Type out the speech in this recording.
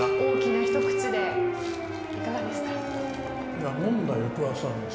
風間さんも大きな一口でいかがですか。